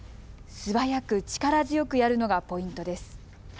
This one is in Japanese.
素早く力強くやるのがポイントです。